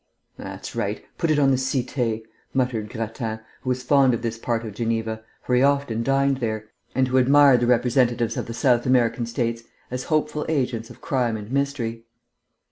"That's right; put it on the cité," muttered Grattan, who was fond of this part of Geneva, for he often dined there, and who admired the representatives of the South American states as hopeful agents of crime and mystery.